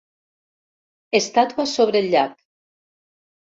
Estàtua sobre el llac.